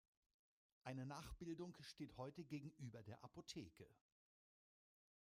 Eine Nachbildung steht heute gegenüber der Apotheke.